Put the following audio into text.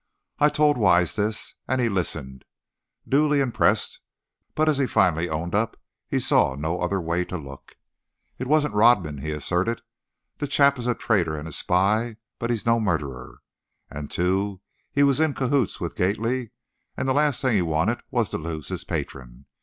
I told Wise this, and he listened, duly impressed, but, as he finally owned up, he saw no other way to look. "It wasn't Rodman," he asserted; "that chap is a traitor and a spy, but he's no murderer. And, too, he was in cahoots with Gately, and the last thing he wanted was to lose his patron.